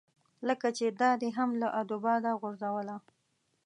لکه چې دا دې هم له ادو باده غورځوله.